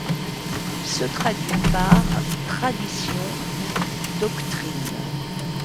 Il se traduit par: tradition, ou, doctrine.